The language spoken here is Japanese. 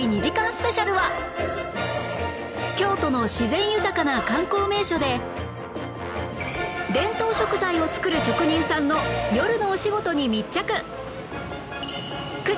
スペシャルは京都の自然豊かな観光名所で伝統食材を作る職人さんの夜のお仕事に密着！